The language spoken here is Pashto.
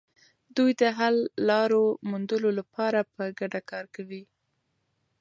دوی د حل لارو موندلو لپاره په ګډه کار کوي.